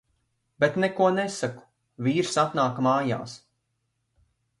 Bet neko nesaku. Vīrs atnāk mājās.